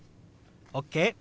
ＯＫ！